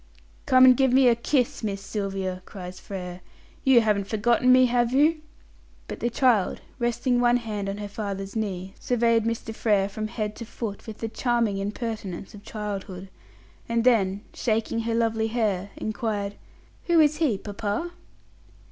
"Come and give me a kiss, Miss Sylvia!" cries Frere. "You haven't forgotten me, have you?" But the child, resting one hand on her father's knee, surveyed Mr. Frere from head to foot with the charming impertinence of childhood, and then, shaking her head, inquired: "Who is he, papa?"